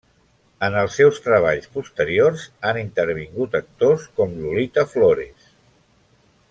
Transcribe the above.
En els seus treballs posteriors, han intervingut actors com Lolita Flores.